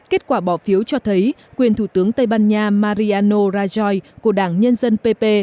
kết quả bỏ phiếu cho thấy quyền thủ tướng tây ban nha mariano rajai của đảng nhân dân pp